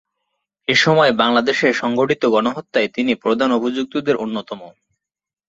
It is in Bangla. এসময় বাংলাদেশে সংঘটিত গণহত্যায় তিনি প্রধান অভিযুক্তদের অন্যতম।